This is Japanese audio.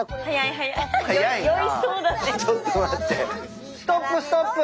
はい。